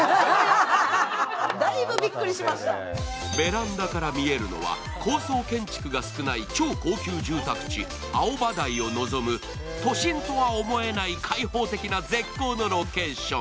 ベランダから見えるのは高層建築が少ない超高級住宅地、青葉台を望む、都心とは思えない開放的な絶好のロケーション。